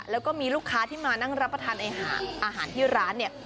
แล้วก็มีลูกค้าที่มานั่งรับประทานอาหารที่ร้านเนี่ย